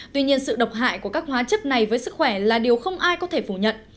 tuy nhiên sự độc hại của các hóa chất này với sức khỏe là điều không ai có thể phủ nhận